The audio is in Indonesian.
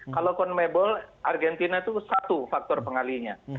kalau conmebol argentina itu satu faktor pengalinya